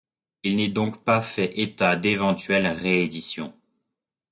Il n'est donc pas fait état d'éventuelles rééditions.